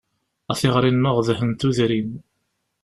A tiɣri-nneɣ dhen tudrin.